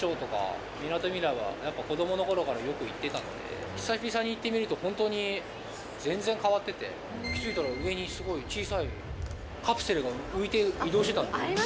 桜木町とか、みなとみらいは、やっぱ子どものころから、よく行ってたので、久々に行ってみると、本当に全然変わってて、気付いたら、上にすごい、小さいカプセルが浮いて移動してた。